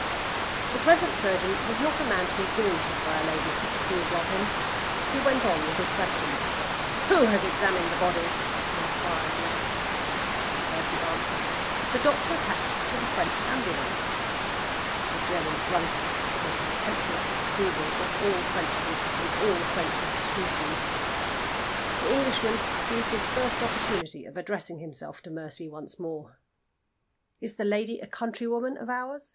The present surgeon was not a man to be daunted by a lady's disapproval of him. He went on with his questions. "Who has examined the body?" he inquired next. Mercy answered, "The doctor attached to the French ambulance." The German grunted in contemptuous disapproval of all Frenchmen, and all French institutions. The Englishman seized his first opportunity of addressing himself to Mercy once more. "Is the lady a countrywoman of ours?"